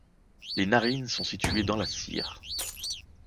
Les narines sont situées dans la cire.